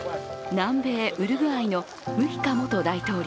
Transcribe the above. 南米ウルグアイのムヒカ元大統領。